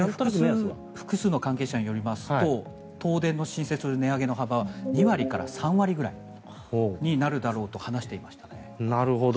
複数の関係者によりますと東電の申請する値上げの幅は２割から３割ぐらいになるだろうと話していました。